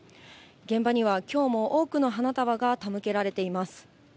現場にはきょうも多くの花束が手向けられています。